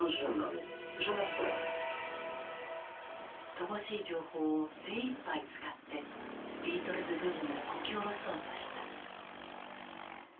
乏しい情報を精いっぱい使ってビートルズ・ブームをこき下ろそうとした。